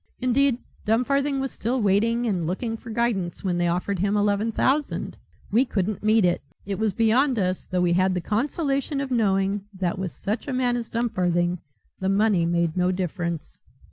Indeed Dumfarthing was still waiting and looking for guidance when they offered him eleven thousand. We couldn't meet it. It was beyond us, though we had the consolation of knowing that with such a man as Dumfarthing the money made no difference."